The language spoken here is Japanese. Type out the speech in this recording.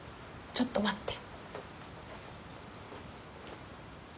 ちょっと待って。